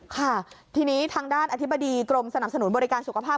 ค่ะทีนี้ทางด้านอธิบดีกรมสนับสนุนบริการสุขภาพ